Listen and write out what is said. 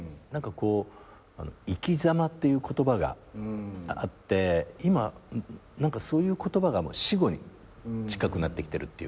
「生き様」っていう言葉があって今そういう言葉が死語に近くなってきてる。